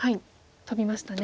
トビましたね。